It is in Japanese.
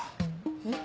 えっ？